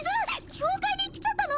境界に来ちゃったの？